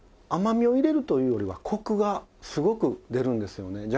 甘みを入れるというよりはコクがすごく出るんですよね。